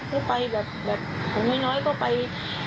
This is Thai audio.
ให้ไปแบบห่วงให้น้อยก็ไป